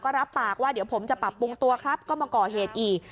ก็รับปากว่าเดี๋ยวผมจะปรับปรุงตัวครับก็มาก่อเหตุอีก